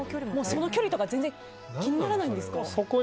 距離とか全然気にならないんですか。